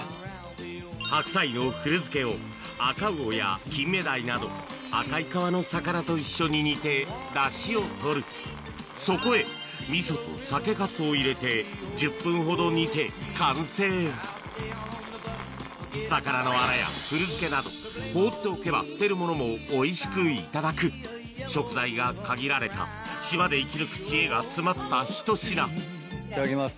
白菜の古漬けを赤魚や金目鯛など赤い皮の魚と一緒に煮て出汁を取るそこへ味噌と酒粕を入れて１０分ほど煮て完成魚のアラや古漬けなど放っておけば捨てるものもおいしくいただく食材が限られた島で生き抜く知恵が詰まったひと品いただきます。